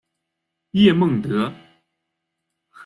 叶梦得。